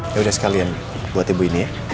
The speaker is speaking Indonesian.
ya udah sekalian buat ibu ini